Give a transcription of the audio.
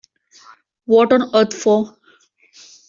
What on earth for?